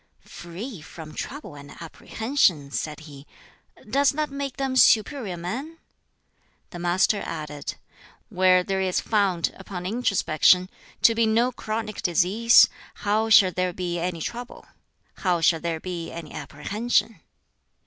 "'Free from trouble and apprehension!'" said he. "Does that make them 'superior men'?" The Master added, "Where there is found, upon introspection, to be no chronic disease, how shall there be any trouble? how shall there be any apprehension?"